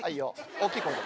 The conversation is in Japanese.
大っきい声で。